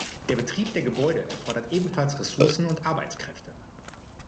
Der Betrieb der Gebäude erfordert ebenfalls Ressourcen und Arbeitskräfte.